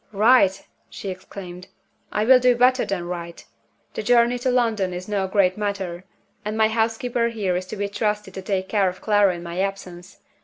"Write!" she exclaimed. "I will do better than write. The journey to London is no great matter and my housekeeper here is to be trusted to take care of Clara in my absence.